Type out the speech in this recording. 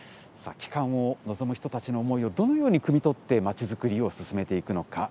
帰還を望む人たちの思いをどのようにくみ取ってまちづくりを進めていくのか。